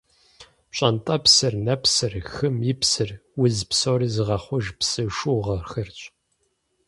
Пщӏэнтӏэпсыр, нэпсыр, хым и псыр – уз псори зыгъэхъуж псы шуугъэхэрщ.